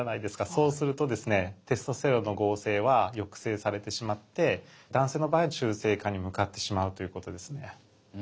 そうするとですねテストステロンの合成は抑制されてしまって男性の場合は中性化に向かってしまうということですね。